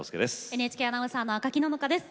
ＮＨＫアナウンサーの赤木野々花です。